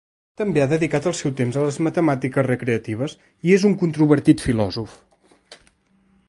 També ha dedicat el seu temps a les matemàtiques recreatives i és un controvertit filòsof.